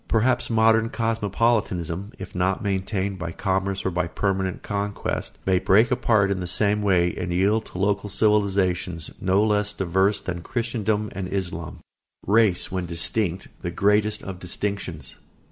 Perhaps modern cosmopolitanism, if not maintained by commerce or by permanent conquest, may break apart in the same way and yield to local civilisations no less diverse than Christendom and Islam. [Sidenote: Race, when distinct, the greatest of distinctions.